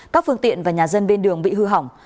các phương tiện và nhà dân bên đường bị hư hỏng